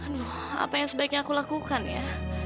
aduh apa yang sebaiknya aku lakukan ya